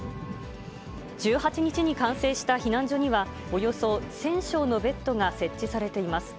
１８日に完成した避難所には、およそ１０００床のベッドが設置されています。